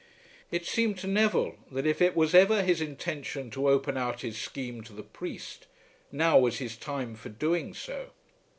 It seemed to Neville that if it was ever his intention to open out his scheme to the priest, now was his time for doing so.